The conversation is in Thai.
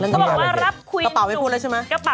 กระเป๋าไม่พูดแล้วใช่ไหม